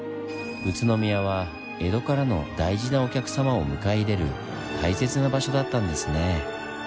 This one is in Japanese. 宇都宮は江戸からの大事なお客様を迎え入れる大切な場所だったんですねぇ。